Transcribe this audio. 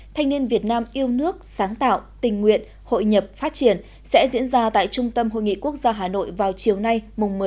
thanh niên việt nam yêu nước sáng tạo tình nguyện hội nhập phát triển sẽ diễn ra tại trung tâm hội nghị quốc gia hà nội vào chiều nay một mươi một